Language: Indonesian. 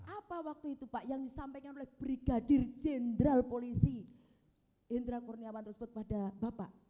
apa waktu itu pak yang disampaikan oleh brigadir jenderal polisi indra kurniawan tersebut pada bapak